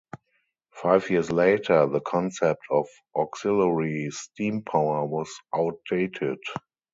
Five years later the concept of auxiliary steam power was outdated.